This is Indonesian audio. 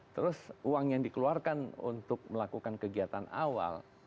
terus uang yang dikeluarkan untuk melakukan kegiatan awal